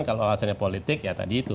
kalau alasannya politik ya tadi itu